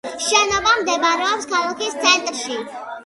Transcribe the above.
შენობა მდებარეობს ქალაქის ცენტრში.